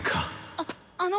あっあの！